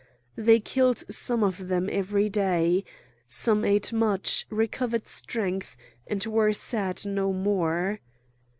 They killed some of them every day. Some ate much, recovered strength, and were sad no more.